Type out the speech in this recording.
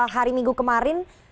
hari minggu kemarin